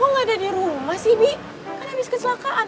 oh nggak ada di rumah sih bi kan habis kecelakaan